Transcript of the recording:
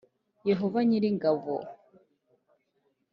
Yehova nyir’ingabo.